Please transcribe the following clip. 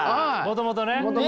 もともとね。